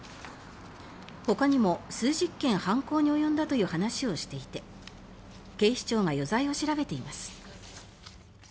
ほかにも数十件犯行に及んだという話をしていて警視庁が余罪を調べています。